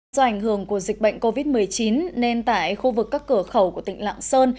do ảnh hưởng của dịch bệnh covid một mươi chín nên tại khu vực các cửa khẩu của tỉnh lạng sơn